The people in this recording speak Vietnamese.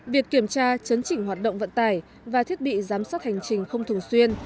việc kiểm tra chấn chỉnh hoạt động vận tải và thiết bị giám sát hành trình không thường xuyên